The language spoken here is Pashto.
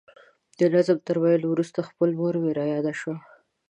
د نظم تر ویلو وروسته خپله مور مې را یاده شوه.